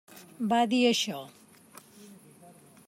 Va dir això.